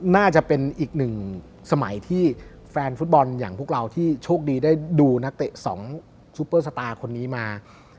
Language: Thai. น่าจะเป็นอีกหนึ่งสมัยที่แฟนฟุตบอลอย่างพวกเราที่โชคดีได้ดูนักเตะ๒ซุปเปอร์สตาร์คนนี้มา